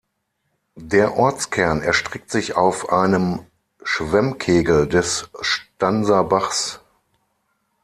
Der Ortskern erstreckt sich auf einem Schwemmkegel des Stanser Bachs.